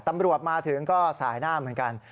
ตำรวจมาถึงก็สายหน้าเหมือนกัน